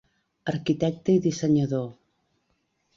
Arquitecte i dissenyador.